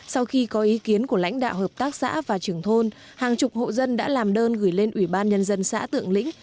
sau khi có ý kiến của lãnh đạo hợp tác xã và trưởng thôn hàng chục hộ dân đã làm đơn gửi lên ủy ban nhân dân xã tượng lĩnh